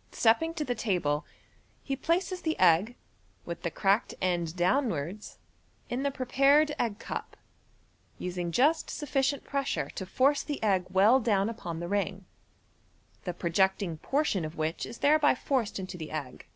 ' Stepping to the table, he places the egg, with the cracked end downwards, in the prepared egg cup, using just sufficient pressure to force the egg well down upon the ring, the projecting portion of which is thereby forced into the egg.